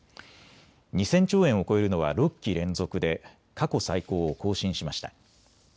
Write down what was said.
２０００兆円を超えるのは６期連続で過去最高を更新しました。